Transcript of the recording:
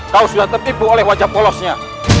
kalau sudah tertipu oleh wajah polosnya